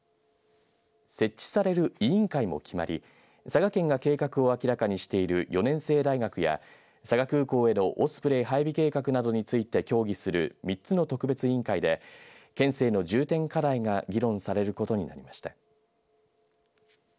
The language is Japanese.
設置される委員会も決まり佐賀県が計画を明らかにしている４年制大学や佐賀空港へのオスプレイ配備計画などについて協議する３つの特別委員会で県政の重点課題が議論されることになりました。